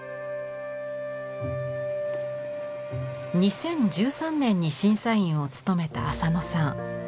２０１３年に審査員を務めた浅野さん。